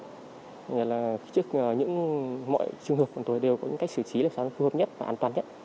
thành ra là trước mọi trường hợp bọn tôi đều có những cách xử trí là phù hợp nhất và an toàn nhất